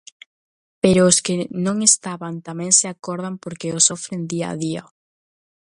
Pero os que non estaban tamén se acordan porque o sofren día a día.